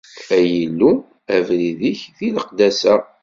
Ay Illu, abrid-ik, d leqdasa!